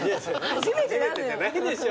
初めてじゃないでしょ。